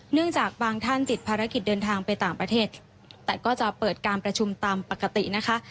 จากบางท่านติดภารกิจเดินทางไปต่างประเทศแต่ก็จะเปิดการประชุมตามปกตินะคะ